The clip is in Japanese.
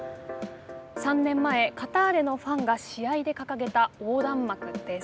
３年前カターレのファンが試合で掲げた横断幕です。